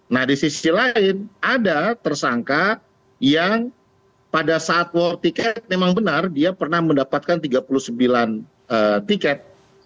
nah di sisi lain ada tersangka yang pada saat war tiket memang benar dia pernah mendapatkan tiga puluh sembilan tiket